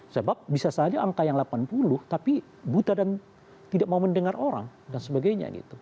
sebab bisa saja angka yang delapan puluh tapi buta dan tidak mau mendengar orang dan sebagainya gitu